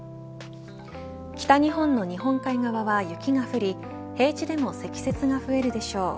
北日本の日本海側は雪が降り平地でも積雪が増えるでしょう。